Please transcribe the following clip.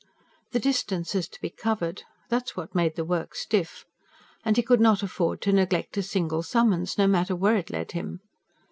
The distances to be covered that was what made the work stiff. And he could not afford to neglect a single summons, no matter where it led him.